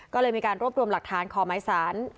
ก็เลยมีการรวบรวมหลักฐานขอหมายสาร